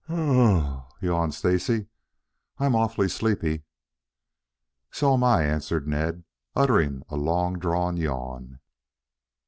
"Yab hum," yawned Stacy, "I'm awful sleepy." "So am I," answered Ned, uttering a long drawn yawn.